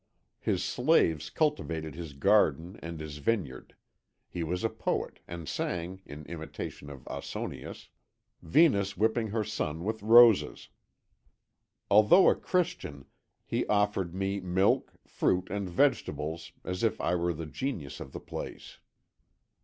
His slaves cultivated his garden and his vineyard; he was a poet and sang, in imitation of Ausonius, Venus whipping her son with roses. Although a Christian, he offered me milk, fruit, and vegetables as if I were the genius of the place.